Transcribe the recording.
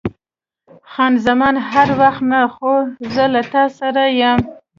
خان زمان: هر وخت نه، خو زه له تا سره یم.